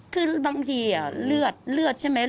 คือบางทีเลือดเลือดใช่ไหม